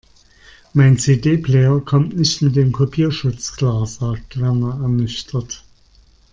Mein CD-Player kommt nicht mit dem Kopierschutz klar, sagt Werner ernüchtert.